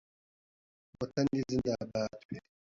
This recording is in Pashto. وطن دې زنده باد وي